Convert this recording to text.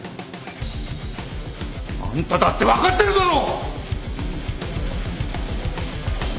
あんただって分かってるだろ！